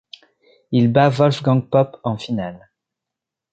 Il bat Wolfgang Popp en finale.